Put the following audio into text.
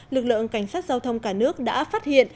lực lượng cảnh sát giao thông cả nước đã phát hiện